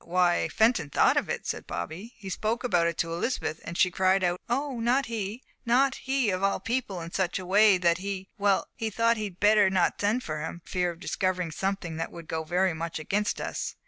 "Why, Fenton thought of it," said Bobby. "He spoke about it to Elizabeth, and she cried out 'Oh, not he not he of all people' in such a way that he well, he thought he'd better not send for him, for fear of discovering something that would go very much against us.